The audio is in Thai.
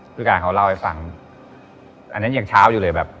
ผู้การเขาเล่าให้ฟังอันนั้นยังเช้าอยู่เลยแบบ